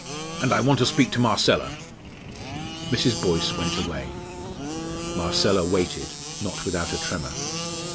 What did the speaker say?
And I want to speak to Marcella." Mrs. Boyce went away. Marcella waited, not without a tremor.